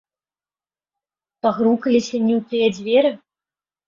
Пагрукаліся не ў тыя дзверы?